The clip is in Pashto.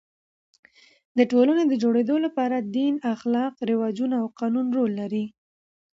د ټولني د جوړېدو له پاره دین، اخلاق، رواجونه او قانون رول لري.